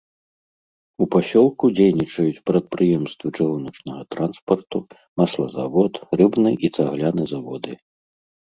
У пасёлку дзейнічаюць прадпрыемствы чыгуначнага транспарту, маслазавод, рыбны і цагляны заводы.